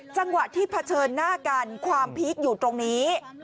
จังหวะที่เผชิญหน้ากันความพีคอยู่ตรงนี้